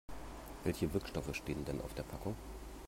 Welche Wirkstoffe stehen denn auf der Packung?